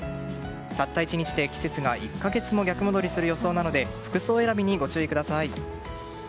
たった１日で季節が１か月も逆戻りする予想なので服装選びにご注意ください。